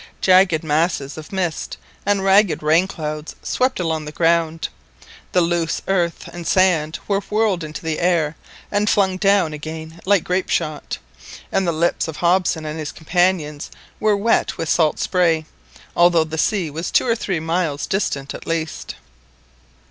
Jagged masses of mist and ragged rain clouds swept along the ground. The loose earth and sand were whirled into the air and flung down again like grape shot, and the lips of Hobson and his companion were wet with salt spray, although the sea was two or three miles distant at least.